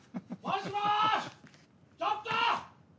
ちょっと！